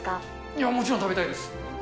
もちろん、食べたいです。